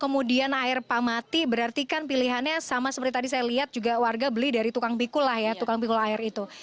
kemudian air pah mati berarti kan pilihannya sama seperti tadi saya lihat juga warga beli dari tukang pikul lah ya tukang pikul air itu